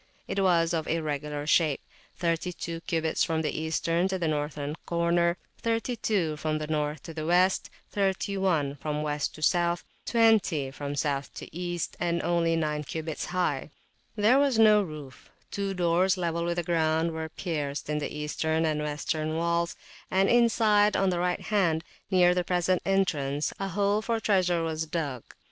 It was of irregular shape; 32 cubits from the Eastern to the Northern corner; 32 from North to West; 31 from West to South; 20 from South to East; and only 9 cubits high. There was no roof; two doors, level with the ground, were pierced in the Eastern and Western walls; and inside, on the right hand, near the present entrance, a hole for treasure was dug.